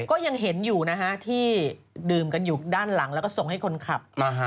ก็ยังเห็นอยู่นะฮะที่ดื่มกันอยู่ด้านหลังแล้วก็ส่งให้คนขับ